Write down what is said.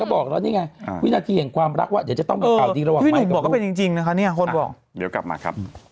บางทีคุณหนูก็แสดงเก่งมาก